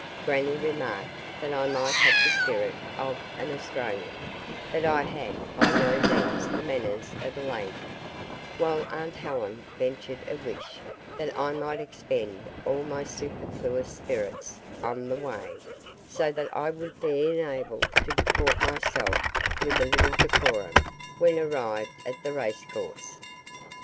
Grannie remarked that I might have the spirit of an Australian, but I had by no means the manners of a lady; while aunt Helen ventured a wish that I might expend all my superfluous spirits on the way, so that I would be enabled to deport myself with a little decorum when arrived at the racecourse.